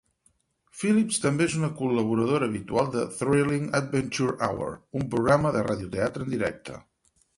Philipps també és una col·laboradora habitual de "Thrilling Adventure Hour", un programa de radioteatre en directe.